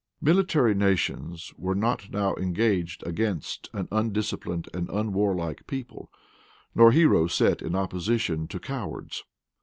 Military nations were not now engaged against an undisciplined and unwarlike people; nor heroes set in opposition to cowards.